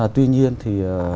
tuy nhiên thì